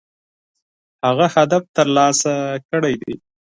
هغه هدف ترلاسه کړی دی.